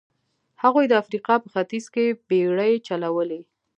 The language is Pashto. هغوی د افریقا په ختیځ کې بېړۍ چلولې.